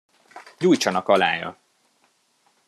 Gyújtsanak alája!